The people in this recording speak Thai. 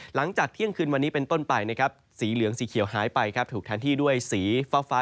หลังจากเที่ยงคืนวันนี้เป็นต้นไปนะครับสีเหลืองสีเขียวหายไปครับถูกแทนที่ด้วยสีฟ้า